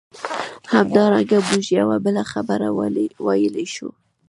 همدارنګه موږ یوه بله خبره ویلای شو.